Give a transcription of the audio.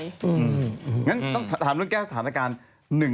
งั้นต้องถามเรื่องแก้สถานการณ์